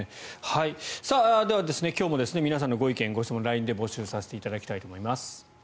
では今日も皆さんのご意見・ご質問ＬＩＮＥで募集させていただきたいと思います。